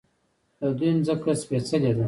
د دوی ځمکه سپیڅلې ده.